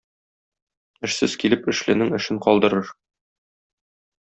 Эшсез килеп эшленең эшен калдырыр.